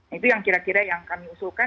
itu yang kira kira yang kami usulkan